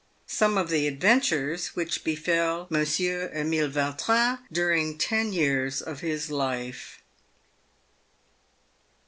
SOME OF THE ADVENTURES WHICH BEFEL MONSIEUR EMILE VAUTRIN DURING TEN YEARS OF HIS LIFE.